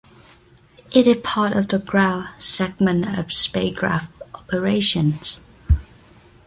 It is part of the ground segment of spacecraft operations.